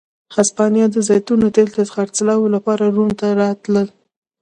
هسپانیا د زیتونو تېل د خرڅلاو لپاره روم ته راتلل.